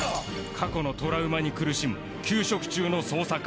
過去のトラウマに苦しむ休職中の捜査官